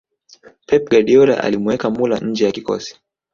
pep guardiola alimuweka muller nje ya kikosi